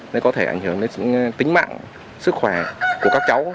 nó có thể ảnh hưởng đến tính mạng sức khỏe của các cháu